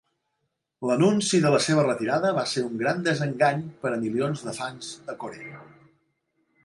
L'anunci de la seva retirada va ser un gran desengany per milions de fans a Corea.